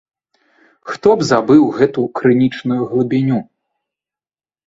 Хто б забыў гэту крынічную глыбіню?!